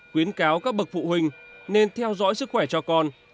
khuyến cáo các bậc phụ huynh nên theo dõi sức khỏe cho con